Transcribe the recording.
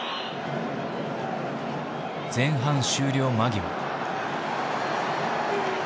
前半終了間際。